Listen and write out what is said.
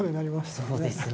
そうですね。